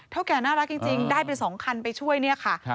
แก่น่ารักจริงได้ไป๒คันไปช่วยเนี่ยค่ะ